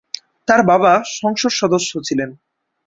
তার বাবা সংসদ সদস্য ছিলেন।